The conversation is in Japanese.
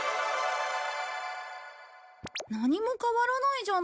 何も変わらないじゃないか。